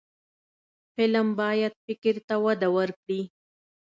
فلم باید فکر ته وده ورکړي